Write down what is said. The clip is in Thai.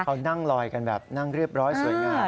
เขานั่งลอยกันแบบนั่งเรียบร้อยสวยงาม